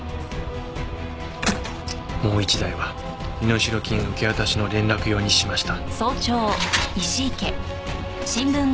もう１台は身代金受け渡しの連絡用にしました。